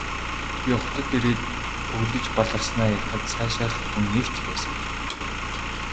Би хотод ирээд хөглөж баларснаа ярихад сайшаах хүн нэг ч байсангүй.